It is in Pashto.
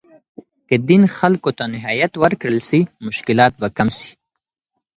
که دین خلګو ته نهایت ورکړل سي، مشکلات به کم سي.